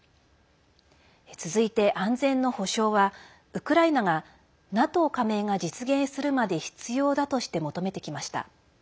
続いて、安全の保証はウクライナがＮＡＴＯ加盟が実現するまで必要だとして求めてきました。